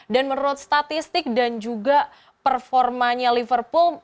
dan menurut statistik dan juga performanya liverpool